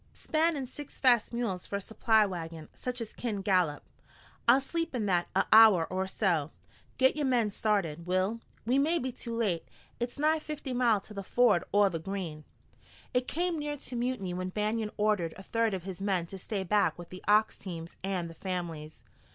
"Span in six fast mules for a supply wagon, such as kin gallop. I'll sleep in that a hour or so. Git yore men started, Will. We may be too late. It's nigh fifty mile to the ford o' the Green." It came near to mutiny when Banion ordered a third of his men to stay back with the ox teams and the families.